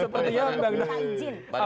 dan sepertinya aku tidak izin